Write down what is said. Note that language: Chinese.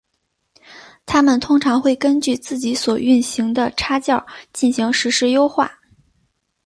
它们通常会根据自己所运行的插件进行实时优化。